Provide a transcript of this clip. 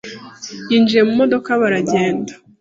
yinjiye mu modoka baragenda.